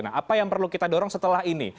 nah apa yang perlu kita dorong setelah ini